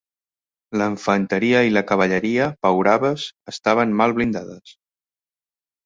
La infanteria i la cavalleria pauraves estaven mal blindades.